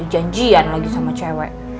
janjian lagi sama cewek